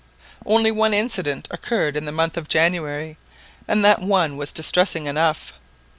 Only one incident occurred in the month of January, and that one was distressing enough.